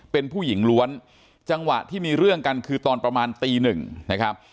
เป็นผู้หญิงล้วนจังหวะที่มีเรื่องกันคือตอนประมาณตีหนึ่งนะครับ